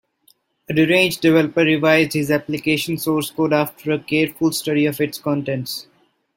The deranged developer revised his application source code after a careful study of its contents.